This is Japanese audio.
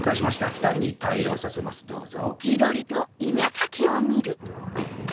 ２人に対応させますどうぞ。